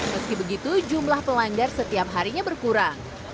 meski begitu jumlah pelanggar setiap harinya berkurang